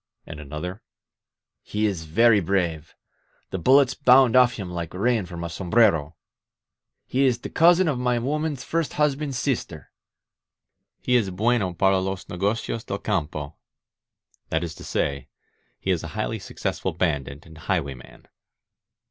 And another: "He is very brave. The bullets bound off him like rain from a sombrero. .•." "He is the cousin of my woman's first husband's sister." "He is bueno para los negocios del campo (that is to say, he is a highly successful bandit and highway man).